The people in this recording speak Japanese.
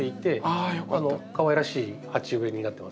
かわいらしい鉢植えになってますね。